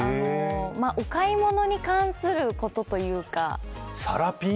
お買い物に関することというか。